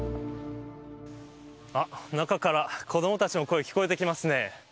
中から、子どもたちの声聞こえてきますね。